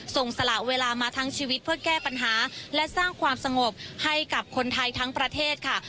สละเวลามาทั้งชีวิตเพื่อแก้ปัญหาและสร้างความสงบให้กับคนไทยทั้งประเทศค่ะ